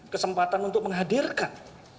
kesempatan untuk menghadirkan